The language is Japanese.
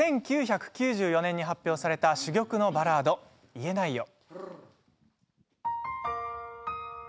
１９９４年に発表された珠玉のバラード、「言えないよ」。